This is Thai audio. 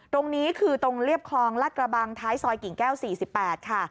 ตรงนี้คือตรงเรียบคลองลัดกระบังท้ายซอยกิ่งแก้ว๔๘ค่ะ